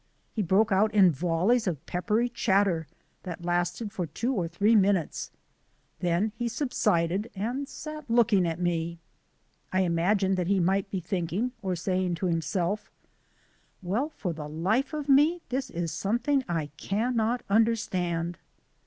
He broke out in volleys of peppery chatter that lasted for two or three minutes, then he subsided and sat looking at me. I imagined that he might be thinking or saying to himselt, "Well, for the life of me, this is something I cannot understand!"